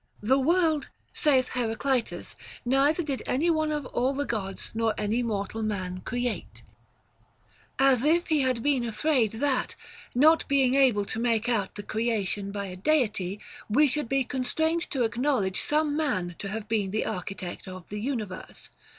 The world, saith Heraclitus, neither did any one of all the Gods nor any mortal man create, — as if he had been afraid that, not being able to make out the creation by a Deity, we should be constrained to acknowledge some man to have been the architect of the universe.